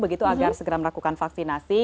begitu agar segera melakukan vaksinasi